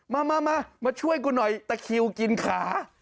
มามาช่วยกูหน่อยตะคิวกินขา